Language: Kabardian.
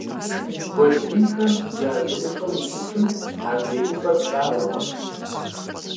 Guel yinxem ya zı 'Ufem vuşıtım adrêy 'Ufer plhağurkhım.